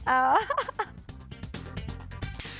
เออ